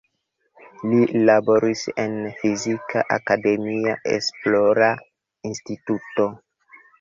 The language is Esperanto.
Li laboris en fizika akademia esplora instituto.